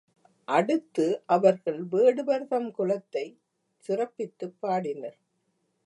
அடுத்து அவர்கள் வேடுவர் தம் குலத்தைச் சிறப் பித்துப் பாடினர்.